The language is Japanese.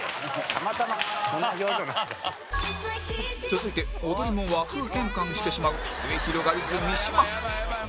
続いて踊りも和風変換してしまうすゑひろがりず三島